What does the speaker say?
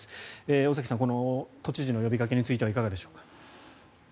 尾崎さん、都知事の呼びかけについてはいかがでしょうか？